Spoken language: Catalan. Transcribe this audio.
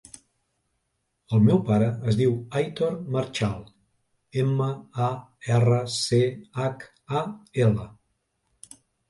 El meu pare es diu Aitor Marchal: ema, a, erra, ce, hac, a, ela.